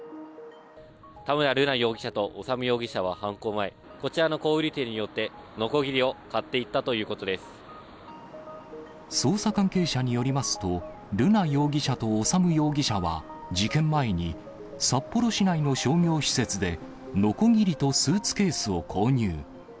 田村瑠奈容疑者と修容疑者は犯行前、こちらの小売り店に寄って、のこぎりを買っていったというこ捜査関係者によりますと、瑠奈容疑者と修容疑者は、事件前に、札幌市内の商業施設でのこぎりとスーツケースを購入。